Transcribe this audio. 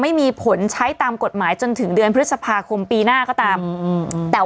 ไม่มีผลใช้ตามกฎหมายจนถึงเดือนพฤษภาคมปีหน้าก็ตามแต่